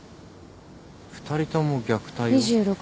２人とも虐待を。